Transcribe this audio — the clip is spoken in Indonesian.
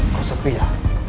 kau sepi ya